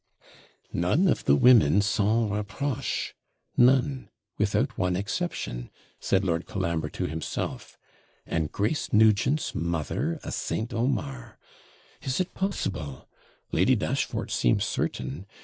'None of the women SANS REPROCHE! None! without one exception,' said Lord Colambre to himself; 'and Grace Nugent's mother a St. Omar! Is it possible? Lady Dashfort seems certain.